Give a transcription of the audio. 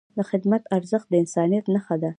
د خدمت ارزښت د انسانیت نښه ده.